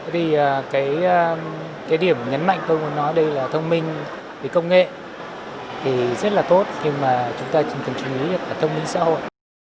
vì cái điểm nhấn mạnh tôi muốn nói đây là thông minh về công nghệ thì rất là tốt nhưng mà chúng ta chỉ cần chú ý là thông minh xã hội